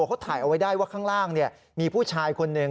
เขาถ่ายเอาไว้ได้ว่าข้างล่างมีผู้ชายคนหนึ่ง